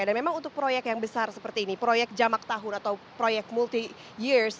dan memang untuk proyek yang besar seperti ini proyek jamak tahun atau proyek multi years